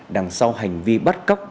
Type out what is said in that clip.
đằng sau hành vi bắt cóc